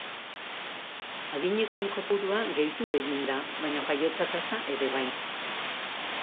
Adinekoen kopurua gehitu egin da baina jaiotza tasa ere bai.